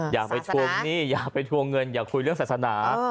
อย่าไปทวงหนี้อย่าไปทวงเงินอย่าคุยเรื่องศาสนา